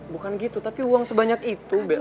bukan gitu tapi uang sebanyak itu